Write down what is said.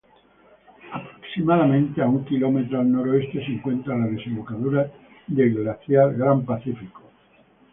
Aproximadamente a un km al noreste se encuentra la desembocadura del glaciar Grand Pacific.